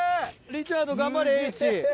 リチャード頑張れＨ。